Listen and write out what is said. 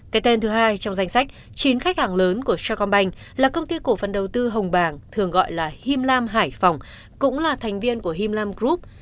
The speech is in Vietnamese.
cái tên thứ hai trong danh sách chín khách hàng lớn của shagonbank là công ty cổ phần đầu tư hồng bàng thường gọi là him lam hải phòng cũng là thành viên của him lam group